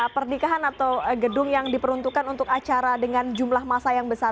pernikahan atau gedung yang diperuntukkan untuk acara dengan jumlah masa yang besar